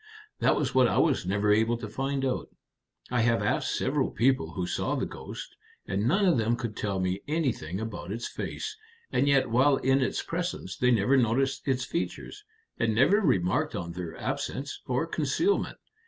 "That was what I was never able to find out. I have asked several people who saw the ghost, and none of them could tell me anything about its face, and yet while in its presence they never noticed its features, and never remarked on their absence or concealment.